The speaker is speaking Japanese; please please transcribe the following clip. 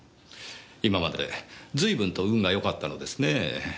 今まで随分と運がよかったのですねえ。